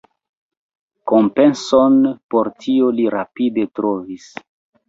Kompenson por tio li rapide trovis.